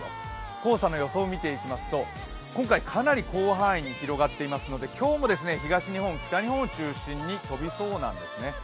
黄砂の予想を見ていきますと今回かなり広範囲に広がっていますので今日も東日本、北日本を中心に飛びそうなんですね。